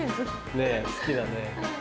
ねぇ好きだね。